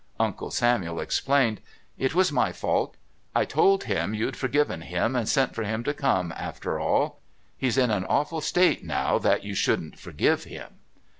Uncle Samuel explained. "It was my fault. I told him you'd forgiven him and sent for him to come, after all. He's in an awful state now that you shouldn't forgive him."